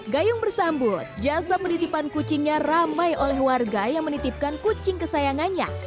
gayung bersambut jasa penitipan kucingnya ramai oleh warga yang menitipkan kucing kesayangannya